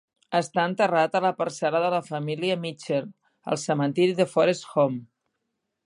Està enterrat a la parcel·la de la família Mitchell, al cementiri de Forest Home.